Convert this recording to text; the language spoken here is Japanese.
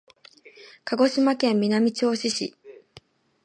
鹿児島県南種子町